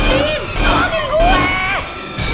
mampal saya juga bawainividade copyy